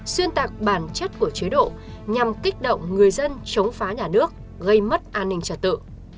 xuyên tạc bản chất của chế độ nhằm kích động người dân chống phá nhà nước gây mất an ninh trật tự